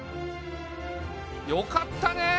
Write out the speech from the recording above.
よかったねえ！